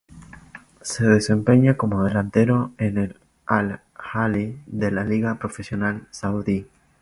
Se desempeña como delantero en el Al-Ahli de la Liga Profesional Saudí.